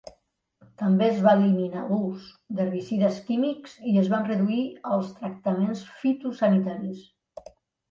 També es va eliminar l'ús d'herbicides químics i es van reduir els tractaments fitosanitaris.